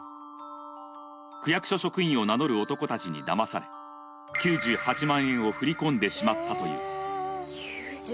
区役所職員を名乗る男たちにだまされ９８万円を振り込んでしまったという。